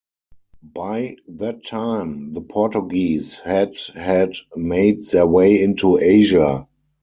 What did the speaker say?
By that time, the Portuguese had had made their way into Asia.